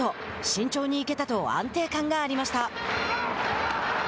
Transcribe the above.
「慎重にいけた」と安定感がありました。